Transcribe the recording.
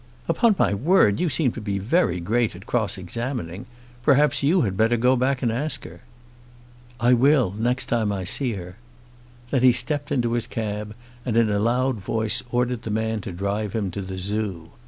"Upon my word, you seem to be very great at cross examining. Perhaps you had better go back and ask her." "I will, next time I see her." Then he stepped into his cab, and in a loud voice ordered the man to drive him to the Zoo.